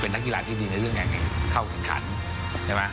เป็นทั้งกีฬาที่ดีในเรื่องการเข้ากันขัน